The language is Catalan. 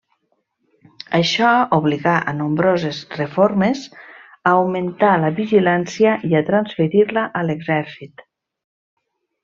Això obligà a nombroses reformes, a augmentar la vigilància i a transferir-la a l'exèrcit.